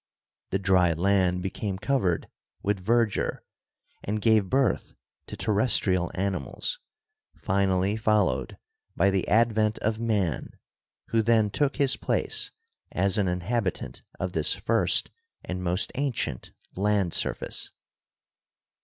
The dry land became covered with verdure and gave birth to ter restrial animals, finally followed by the advent of man, who then took his place as an inhabitant of this first and most ancient land surface.